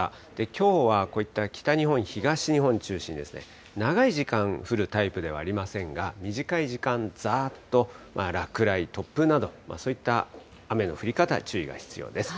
きょうはこういった北日本、東日本中心に長い時間、降るタイプではありませんが、短い時間、ざーっと落雷、突風など、そういった雨の降り方、注意が必要です。